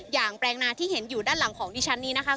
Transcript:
อย่างแปลงนาที่เห็นอยู่ด้านหลังของชั้นนี้นะคะ